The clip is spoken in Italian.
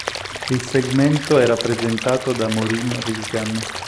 Il segmento era presentato da Maureen Reagan.